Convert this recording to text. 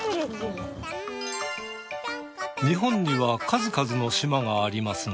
日本には数々の島がありますが。